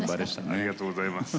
ありがとうございます。